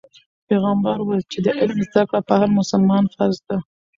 پیغمبر وویل چې د علم زده کړه په هر مسلمان فرض ده.